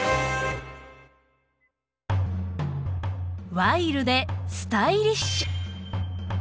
ワイルドでスタイリッシュ。